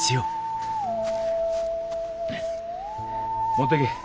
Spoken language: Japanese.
持ってけ。